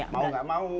mau nggak mau